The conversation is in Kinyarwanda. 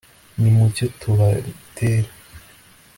nimucyo tubatere